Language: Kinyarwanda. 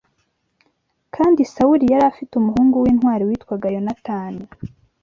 Kandi Sawuli yari afite umuhungu w’intwari witwaga Yonatani